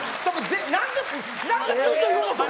なんでずっと言うのそれ。